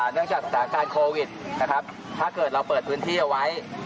เนื่องจากสถานการณ์โควิดนะครับถ้าเกิดเราเปิดพื้นที่เอาไว้